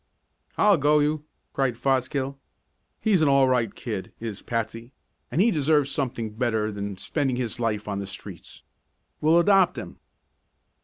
"I'll go you!" cried Fosgill. "He's an all right kid, is Patsy, and he deserves something better than spending his life on the streets. We'll adopt him."